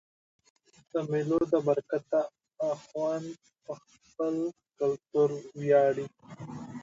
د مېلو له برکته ځوانان په خپل کلتور وياړي.